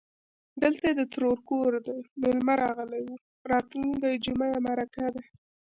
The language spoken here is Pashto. _دلته يې د ترور کور دی، مېلمه راغلی و. راتلونکې جومه يې مرکه ده.